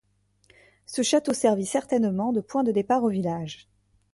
Ce château servit certainement de point de départ au village.